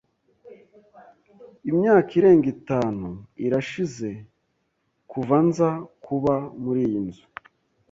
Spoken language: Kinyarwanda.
Imyaka irenga itanu irashize kuva nza kuba muriyi nzu.